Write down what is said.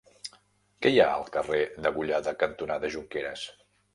Què hi ha al carrer Degollada cantonada Jonqueres?